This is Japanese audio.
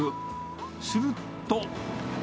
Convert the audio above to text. すると。